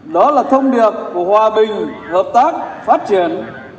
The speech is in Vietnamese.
đó là thông điệp của hòa bình hợp tác phát triển